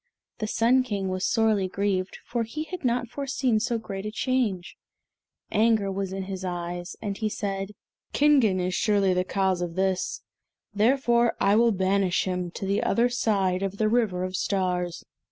The Sun King was sorely grieved, for he had not foreseen so great a change. Anger was in his eyes, and he said, "Kingen is surely the cause of this, therefore I will banish him to the other side of the River of Stars."